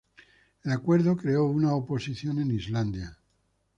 El acuerdo creó una oposición en Islandia.